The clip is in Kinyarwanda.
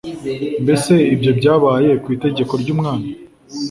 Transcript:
Mbese ibyo byabaye ku itegeko ry umwami